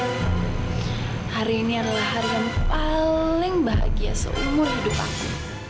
hari ini adalah hari yang paling bahagia seumur hidup aku